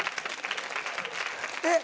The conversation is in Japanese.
えっ？